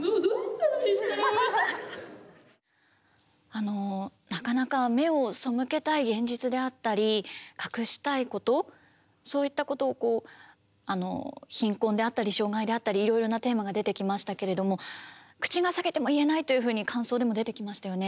あのなかなか目を背けたい現実であったり隠したいことそういったことをこう貧困であったり障害であったりいろんなテーマが出てきましたけれども口が裂けても言えないというふうに感想でも出てきましたよね。